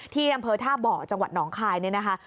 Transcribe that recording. ที่อำเภอท่าบ่อจังหวัดหนองคายเนี่ยนะคะ